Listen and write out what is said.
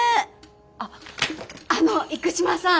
あっあの生島さん。